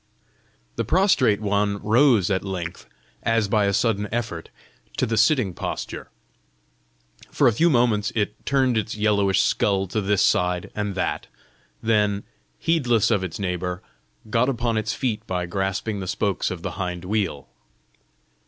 The prostrate one rose at length, as by a sudden effort, to the sitting posture. For a few moments it turned its yellowish skull to this side and that; then, heedless of its neighbour, got upon its feet by grasping the spokes of the hind wheel.